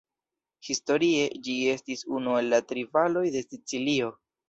Historie, ĝi estis unu el la tri valoj de Sicilio.